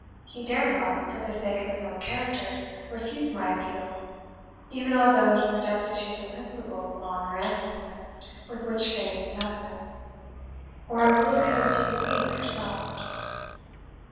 He dare not, for the sake of his own character, refuse my appeal, even although he were destitute of the principles of honour and nobleness with which fame invests him. Or I will appeal to the Queen herself."